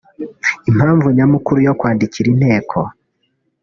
Impamvu nyamukuru yo kwandikira inteko